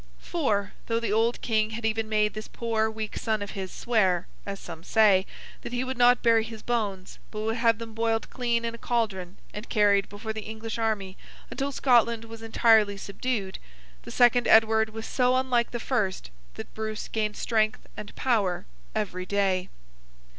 For, though the old King had even made this poor weak son of his swear (as some say) that he would not bury his bones, but would have them boiled clean in a caldron, and carried before the English army until Scotland was entirely subdued, the second Edward was so unlike the first that Bruce gained strength and power every day.